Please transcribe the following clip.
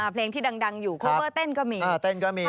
เพลงที่ดังอยู่โคเวอร์เต้นก็มี